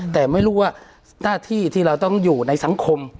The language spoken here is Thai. แต่ไม่รู้ว่าหน้าที่ที่เราต้องอยู่ในสังคม